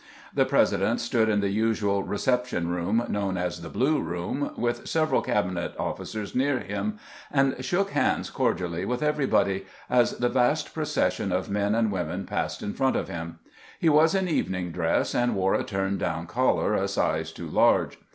The President stood in the usual reception room, known as the "Blue Room," with sev eral cabinet officers near him, and shook hands cordially with everybody, as the vast procession of men and women passed in front of him. He was in evening dress, and wore a turned down collar a size too large.